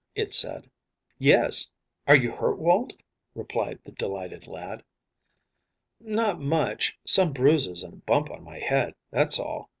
it said. "Yes. Are you hurt, Walt?" replied the delighted lad. "Not much; some bruises, and a bump on my head, that's all.